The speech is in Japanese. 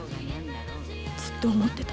ずっと思ってた。